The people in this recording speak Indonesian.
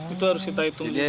itu harus kita hitung